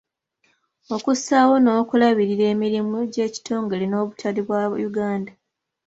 Okussaawo n'okulabirira emirimu gy'ekitongole n'obutale bwa Uganda.